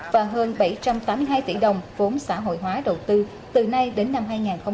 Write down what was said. và hơn bảy trăm tám mươi hai tỷ đồng vốn xã hội hóa đầu tư từ nay đến năm hai nghìn hai mươi